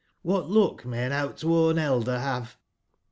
^bat luck may an outworn elder bave?"